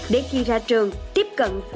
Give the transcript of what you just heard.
để khi ra trường tiếp cận các doanh nghiệp